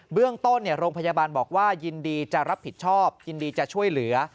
เรื่องต้นโรงพยาบาลบอกว่ายินดีจะรับผิดชอบยินดีจะช่วยเหลือ